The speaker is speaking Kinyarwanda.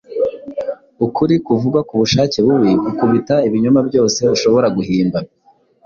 Ukuri kuvugwa kubushake bubi Gukubita Ibinyoma byose ushobora guhimba.